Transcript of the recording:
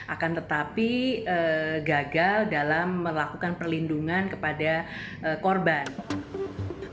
akan tetapi gagal dalam melakukan perlindungan kepada korban